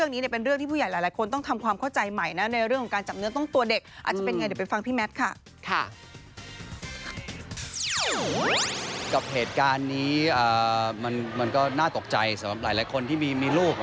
มันก็น่าตกใจสำหรับหลายคนที่มีลูก